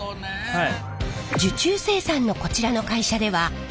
はい！